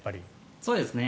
そうですね。